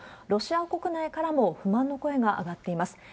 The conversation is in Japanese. ロシア国内からも不満の声が上がっています。